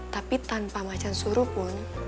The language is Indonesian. tapi tanpa macan suruh pun